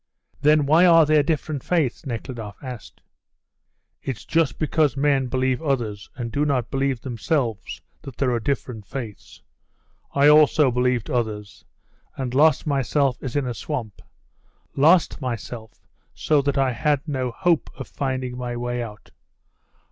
"Then why are there different faiths?" Nekhludoff asked. "It's just because men believe others and do not believe themselves that there are different faiths. I also believed others, and lost myself as in a swamp, lost myself so that I had no hope of finding my way out.